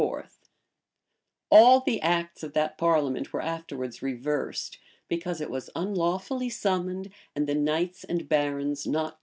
[] All the acts of that parliament were afterwards reversed; "because it was unlawfully summoned, and the knights and barons not duly chosen."